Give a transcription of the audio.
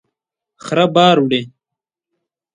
خره بار وړي